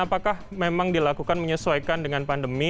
apakah memang dilakukan menyesuaikan dengan pandemi